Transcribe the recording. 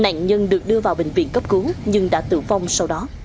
nạn nhân được đưa vào bệnh viện cấp cứu nhưng đã tử vong sau đó